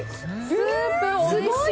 スープおいしい！